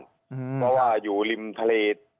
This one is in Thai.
เพราะว่าอยู่ริมทะเล